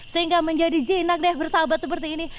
sehingga menjadi jinak deh bersahabat seperti ini